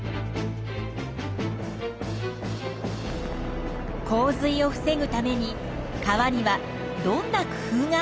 洪水を防ぐために川にはどんな工夫があるのかな？